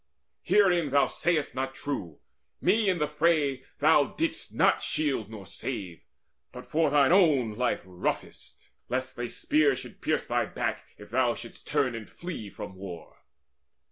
Herein thou sayest not true Me in the fray thou didst not shield nor save, But for thine own life roughtest, lest a spear Should pierce thy back if thou shouldst turn to flee From war.